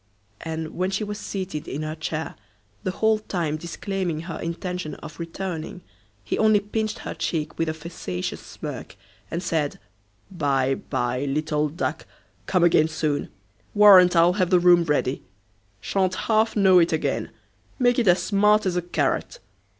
And, when she was seated in her chair, the whole time disclaiming her intention of returning, he only pinched her cheek with a facetious smirk, and said, "By, by, little duck; come again soon. Warrant I'll have the room ready. Sha'n't half know it again; make it as smart as a carrot."